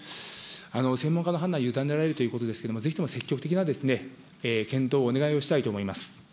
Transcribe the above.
専門家の判断に委ねられるということですけど、ぜひとも積極的な検討をお願いをしたいと思います。